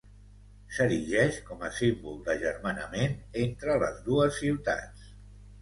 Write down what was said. S'erigeix com a símbol d'agermanament entre les dues ciutats.